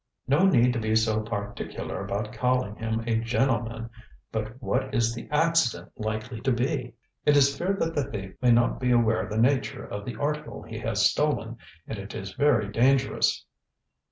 "No need to be so particular about calling him a gentleman. But what is the 'accident' likely to be?" "It is feared that the thief may not be aware of the nature of the article he has stolen, and it is very dangerous."